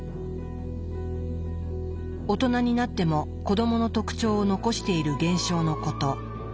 大人になっても子どもの特徴を残している現象のこと。